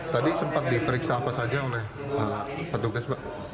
tadi sempat diperiksa apa saja oleh petugas pak